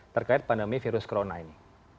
terkait pandemi virus corona ini